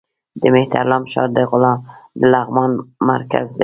د مهترلام ښار د لغمان مرکز دی